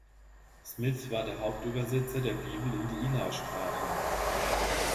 Smith war der Haupt-Übersetzer der Bibel in die Ila-Sprache.